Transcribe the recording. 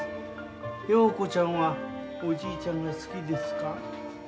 陽子ちゃんはおじいちゃんが好きですか？